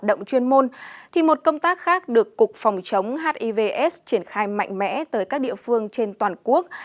hoạt động chuyên môn thì một công tác khác được cục phòng chống hivs triển khai mạnh mẽ tới các địa phương trên toàn quốc